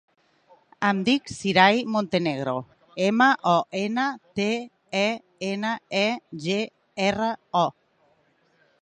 Em dic Siraj Montenegro: ema, o, ena, te, e, ena, e, ge, erra, o.